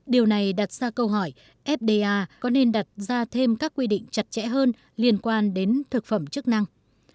điều này đặt ra câu hỏi fda có nên đặt ra thêm các quy định chặt chẽ hơn liên quan đến thực phẩm chức năng